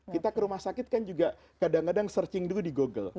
kita ke rumah sakit kan juga kadang kadang searching dulu di google